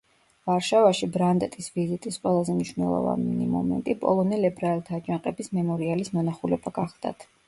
ვარშავაში ბრანდტის ვიზიტის ყველაზე მნიშვნელოვანი მომენტი პოლონელ ებრაელთა აჯანყების მემორიალის მონახულება გახლდათ.